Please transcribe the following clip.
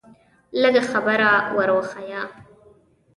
لږه خبره ور وښیه.